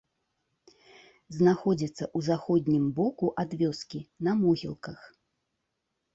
Знаходзіцца ў заходнім боку ад вёскі, на могілках.